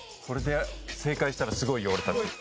これで正解したらすごいよ。